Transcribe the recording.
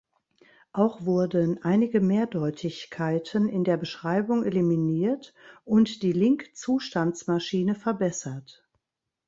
Auch wurden einige Mehrdeutigkeiten in der Beschreibung eliminiert und die Link-Zustandsmaschine verbessert.